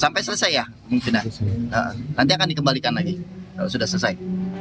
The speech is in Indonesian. sampai selesai ya mungkin ya nanti akan dikembalikan lagi sudah selesai